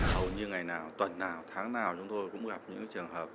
hầu như ngày nào tuần nào tháng nào chúng tôi cũng gặp những trường hợp